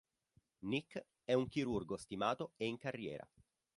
Nick è un chirurgo stimato e in carriera.